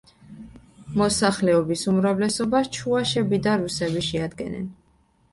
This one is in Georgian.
მოსახლეობის უმრავლესობას ჩუვაშები და რუსები შეადგენენ.